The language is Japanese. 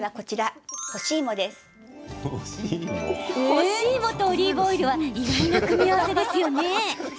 干し芋とオリーブオイルは意外な組み合わせですよね。